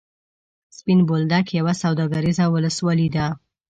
سپین بولدک یوه سوداګریزه ولسوالي ده.